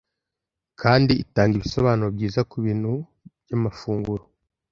kandi itanga ibisobanuro byiza kubintu byamafunguro